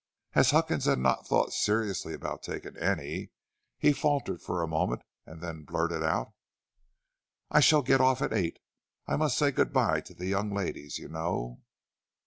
As Huckins had not thought seriously of taking any, he faltered for a moment and then blurted out: "I shall get off at eight. I must say good by to the young ladies, you know."